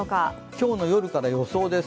今日の夜から予想です。